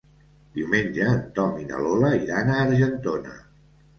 Diumenge en Tom i na Lola iran a Argentona.